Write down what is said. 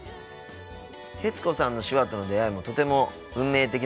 徹子さんの手話との出会いもとても運命的なものだったんだね。